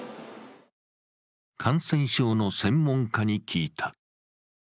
感染症の専門家に聞いた。